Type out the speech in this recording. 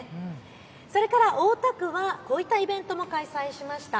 それから大田区はこういったイベントも開催しました。